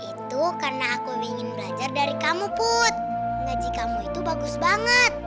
itu karena aku ingin belajar dari kamu put gaji kamu itu bagus banget